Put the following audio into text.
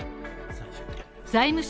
財務省